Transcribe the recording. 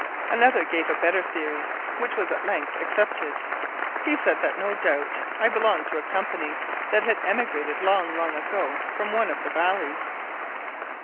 Another gave a better theory which was at length accepted. He said that no doubt I belonged to a company that had emigrated long, long ago from one of the valleys.